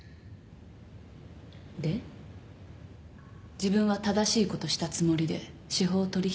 自分は正しいことしたつもりで司法取引？